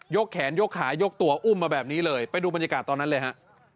แขนยกขายกตัวอุ้มมาแบบนี้เลยไปดูบรรยากาศตอนนั้นเลยฮะ